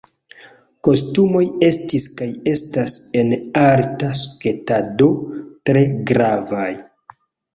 Kostumoj estis kaj estas en arta sketado tre gravaj.